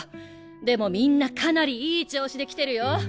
でもみんなかなりいい調子できてるよ。